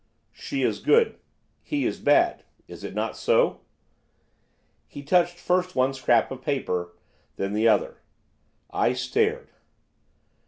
'She is good, he is bad, is it not so?' He touched first one scrap of paper, then the other. I stared.